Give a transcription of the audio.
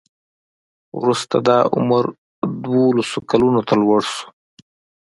وروسته دا عمر دولسو کلونو ته لوړ شو.